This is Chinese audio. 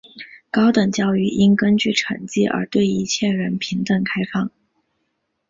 高等教育应根据成绩而对一切人平等开放。